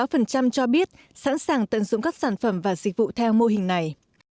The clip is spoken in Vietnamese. những người không biết sẵn sàng tận dụng các sản phẩm và dịch vụ theo mô hình này